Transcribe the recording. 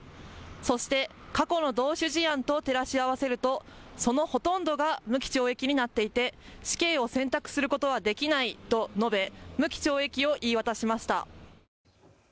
そして過去の同種事案と照らし合わせると、そのほとんどが無期懲役になっていて死刑を選択することはできないと述べ無期懲役を言い渡しました。